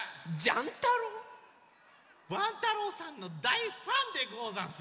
ワン太郎さんのだいファンでござんす！